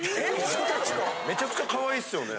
めちゃくちゃかわいいっすよね？